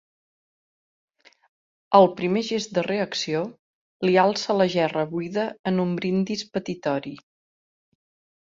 Al primer gest de reacció, li alça la gerra buida en un brindis petitori.